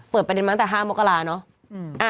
ประเด็นมาตั้งแต่๕มกราเนอะ